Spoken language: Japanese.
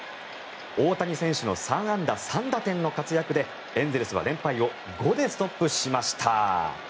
大谷選手の３安打３打点の活躍でエンゼルスは連敗を５でストップしました。